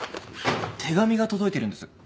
手紙が届いているんです。